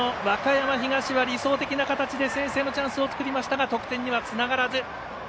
和歌山東は理想的な形で先制のチャンスを作りましたが得点にはつながらず。